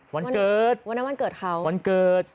วันเกิดวันนั้นวันเกิดเขาวันเกิด